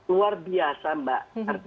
luar biasa mbak